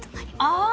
ああ！